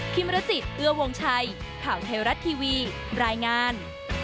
มรจิตเอื้อวงชัยข่าวไทยรัฐทีวีรายงาน